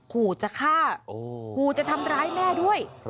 ขู่จะฆ่าขู่จะทำร้ายแม่ด้วย